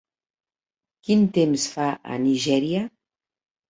Quin temps fa a Nigèria?